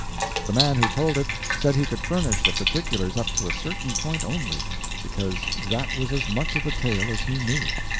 The man who told it said he could furnish the particulars up to a certain point only, because that was as much of the tale as he knew.